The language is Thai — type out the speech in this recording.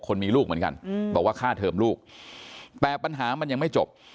คนมีลูกเหมือนกันบอกว่าค่าเทอมลูกแต่ปัญหามันยังไม่จบ